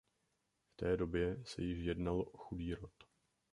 V té době se již jednalo o chudý rod.